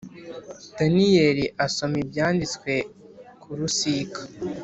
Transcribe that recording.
Daniyeli asoma ibyanditswe ku rusika